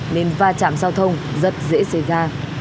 nên va chạm giao thông rất dễ xảy ra